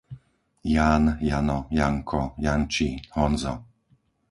Ján, Jano, Janko, Janči, Honzo